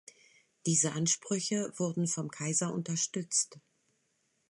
Diese Ansprüche wurden vom Kaiser unterstützt.